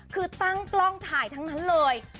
คือตั้งกล้องถ่ายทั้งนั้นเลย